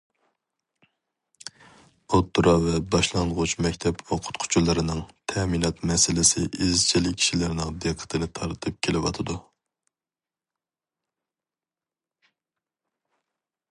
ئوتتۇرا ۋە باشلانغۇچ مەكتەپ ئوقۇتقۇچىلىرىنىڭ تەمىنات مەسىلىسى ئىزچىل كىشىلەرنىڭ دىققىتىنى تارتىپ كېلىۋاتىدۇ.